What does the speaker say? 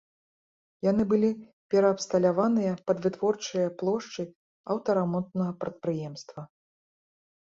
Яны былі пераабсталяваныя пад вытворчыя плошчы аўтарамонтнага прадпрыемства.